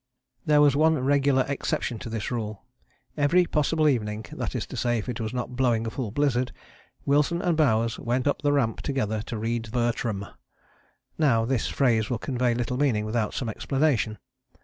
There was one regular exception to this rule. Every possible evening, that is to say if it was not blowing a full blizzard, Wilson and Bowers went up the Ramp together 'to read Bertram.' Now this phrase will convey little meaning without some explanation.